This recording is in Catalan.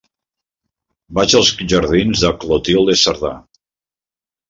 Vaig als jardins de Clotilde Cerdà.